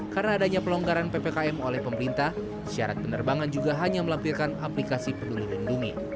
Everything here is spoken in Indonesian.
karena adanya pelonggaran ppkm oleh pemerintah syarat penerbangan juga hanya melampirkan aplikasi penuh lindungi